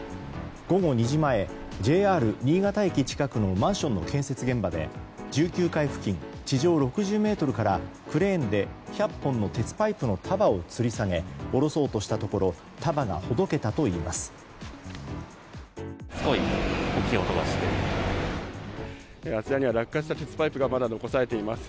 午後２時前、ＪＲ新潟駅近くのマンションの建設現場で１９階付近、地上６０ｍからクレーンで、１００本の鉄パイプの束をつり下げ下ろそうとしたところ束がほどけたということです。